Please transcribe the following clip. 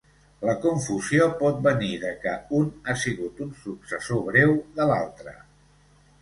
La confusió pot venir de que un ha sigut un successor breu de l"altre.